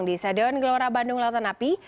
di stadion gelora bandung lautan api